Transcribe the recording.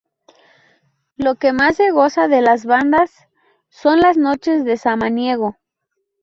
Lo que más se goza de las bandas, son las noches de Samaniego.